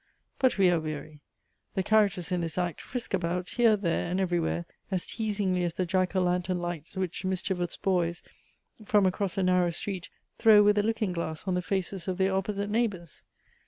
But we are weary. The characters in this act frisk about, here, there, and every where, as teasingly as the Jack o' Lantern lights which mischievous boys, from across a narrow street, throw with a looking glass on the faces of their opposite neighbours.